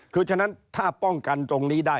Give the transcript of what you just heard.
คือฉะนั้นถ้าป้องกันตรงนี้ได้